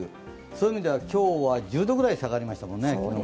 そういう意味では今日は１０度くらい昨日から下がりましたもんね。